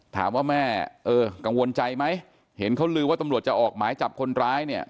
ถามว่าแม่เออกังวลใจไหมเห็นเขาลือว่าตำรวจจะออกหมายจับคนร้ายเนี่ย